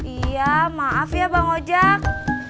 iya maaf ya bang ojek